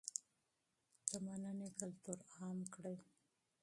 د مننې کلتور عام کړئ.